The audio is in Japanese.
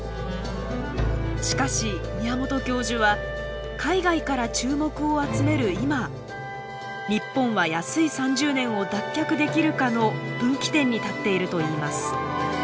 しかし宮本教授は海外から注目を集める今日本は「安い３０年」を脱却できるかの分岐点に立っているといいます。